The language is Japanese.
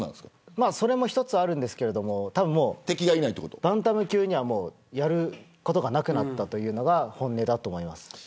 それも一つあるんですけどバンタム級にはやることがなくなったというのが本音だと思います。